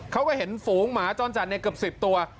เขาก็เห็นฝูงหมาจ้อนจันทร์เนี่ยเกือบ๑๐ตัว